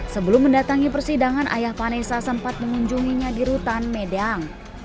sebelum mendatangi persidangan ayah vanessa sempat mengunjunginya di rutan medang